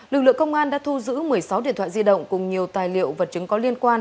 lực lượng công an đã thu giữ một mươi sáu điện thoại di động cùng nhiều tài liệu vật chứng có liên quan